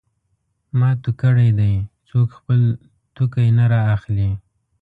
ما تو کړی دی؛ څوک خپل توکی نه رااخلي.